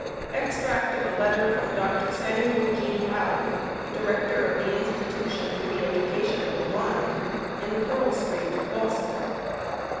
Extract of a letter from DR. SAMUEL G. HOWE, Director of the Institution for the Education of the Blind, in Pearl Street, Boston.